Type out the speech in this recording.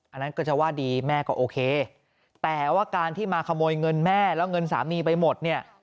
อันนั้นก็จะว่าดีแม่ก็โอเคแต่ว่าการที่มาขโมยเงินแม่แล้วเงินสามีไปหมดเนี่ย